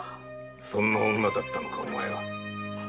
そんな女だったのかお前は。